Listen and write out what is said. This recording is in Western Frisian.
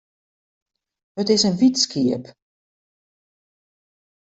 It is in wyt skiep.